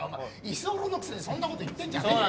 居候のくせにそんな事言ってんじゃねえよ。